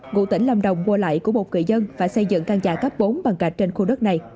ngụ tỉnh lâm đồng mua lại của một người dân và xây dựng căn nhà cấp bốn bằng gạch trên khu đất này